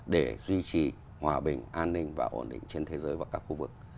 để duy trì hòa bình an ninh và ổn định trên thế giới và các khu vực